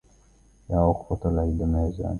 يا وقفة العيد ماذا